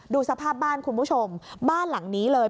ดูสภาพบ้านคุณผู้ชมบ้านหลังนี้เลย